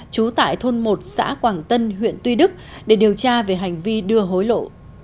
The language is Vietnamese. trú tại thôn một xã quảng tân huyện tuy đức để điều tra về hành vi đưa hối lộ